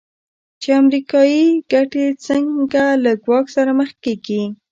چې امریکایي ګټې څنګه له ګواښ سره مخ کېږي.